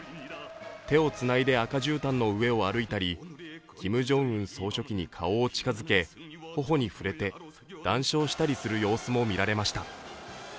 手をつないで赤じゅうたんの上を歩いたり、キム・ジョンウン総書記に顔を近づけ、頬に触れて談笑したりする様子も見られました。